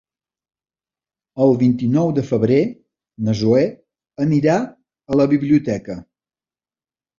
El vint-i-nou de febrer na Zoè anirà a la biblioteca.